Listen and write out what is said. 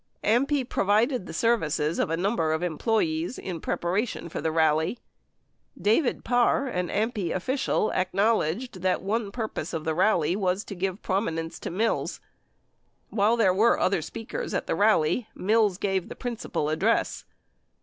AMPI provided the services of a number of employees in prepara tion for the rally. David Parr, an AMPI official, acknowledged that one purpose of the rally was to give prominence to Mills. While there were other speakers at the rally, Mills gave the principal address.